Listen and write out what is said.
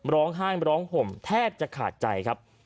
ร้องไห้ร้องห่มแทบจะขาดใจครับ